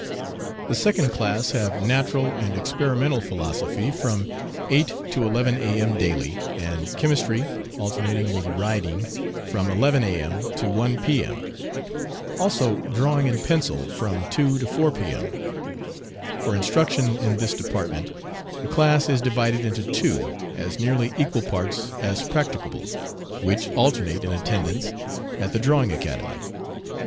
The second class have natural and experimental philosophy from 8 to 11 A.M. daily, and chemistry, alternating with riding, from 11 A.M. to 1 P.M.; also drawing in pencil from 2 to 4 P.M. For instruction in this department the class is divided into two as nearly equal parts as practicable, which alternate in attendance at the Drawing Academy.